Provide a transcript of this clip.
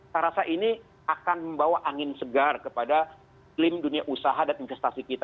saya rasa ini akan membawa angin segar kepada klaim dunia usaha dan investasi kita